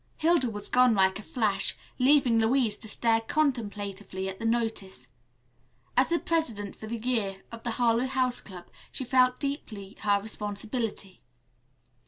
Hilda was gone like a flash, leaving Louise to stare contemplatively at the notice. As the president for the year of the Harlowe House Club she felt deeply her responsibility.